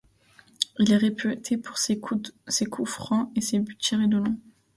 Il est réputé pour ses coups francs, et ses buts tirés de loin.